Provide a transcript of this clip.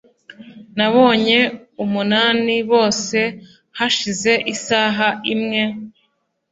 Nabonye umunani bose hashize isaha imwe.